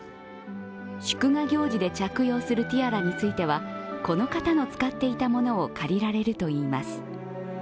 祝賀行事で着用するティアラについてはこの方の使っていたものを借りられるといいます。